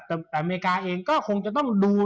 แต่อเมริกาเองก็คงจะต้องดู